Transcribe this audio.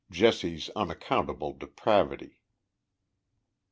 — JESSE'S UNACCOUNTABLE DEPRAVITY.